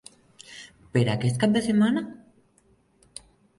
Per aquest cap de setmana?